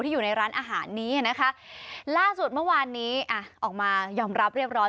อยู่ในร้านอาหารนี้นะคะล่าสุดเมื่อวานนี้อ่ะออกมายอมรับเรียบร้อย